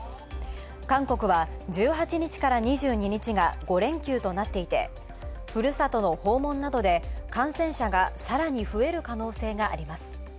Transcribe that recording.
韓国は１８日から２２日が５連休となっていてふるさとの訪問などで感染者がさらに増える可能性があります。